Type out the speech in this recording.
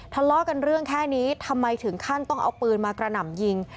ทะเลาะกันเรื่องแค่นี้ทำไมถึงขั้นต้องเอาปืนมากระหน่ำยิง